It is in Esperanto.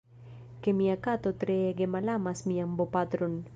ke mia kato tre ege malamas mian bopatron.